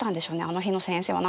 あの日の先生は。